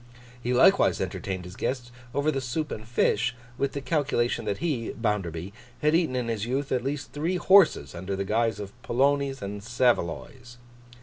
He likewise entertained his guest over the soup and fish, with the calculation that he (Bounderby) had eaten in his youth at least three horses under the guise of polonies and saveloys.